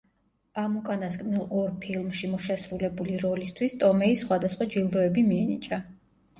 ამ უკანასკნელ ორ ფილმში შესრულებული როლისთვის ტომეის სხვადასხვა ჯილდოები მიენიჭა.